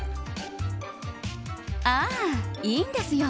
ああ、いいんですよ。